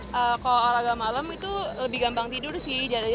kalau olahraga malam itu lebih gampang tidur sih